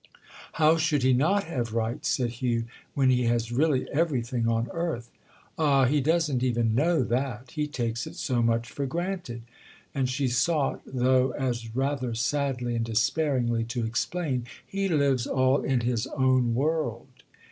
"How should he not have rights," said Hugh, "when he has really everything on earth?" "Ah, he doesn't even know that—he takes it so much for granted." And she sought, though as rather sadly and despairingly, to explain. "He lives all in his own world."